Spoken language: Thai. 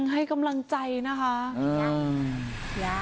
ให้กำลังใจนะคะ